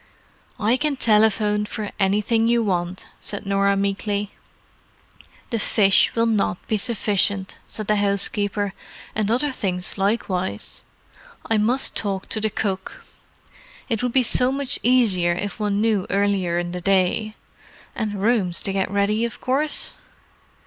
"I can telephone for anything you want," said Norah meekly. "The fish will not be sufficient," said the housekeeper. "And other things likewise. I must talk to the cook. It would be so much easier if one knew earlier in the day. And rooms to get ready, of course?"